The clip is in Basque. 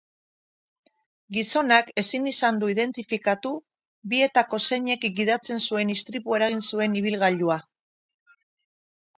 Gizonak ezin izan du identifikatu bietako zeinek gidatzen zuen istripua eragin zuen ibilgailua.